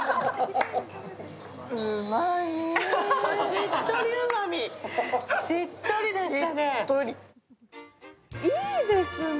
しっとりうまみ、しっとりでしたね。